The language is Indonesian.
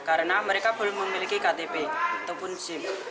karena mereka belum memiliki ktp ataupun sim